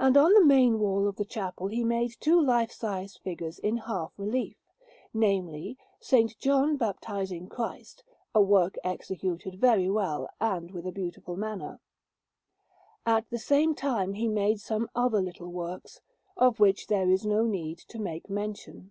And on the main wall of the chapel he made two lifesize figures in half relief namely, S. John baptizing Christ, a work executed very well and with a beautiful manner. At the same time he made some other little works, of which there is no need to make mention.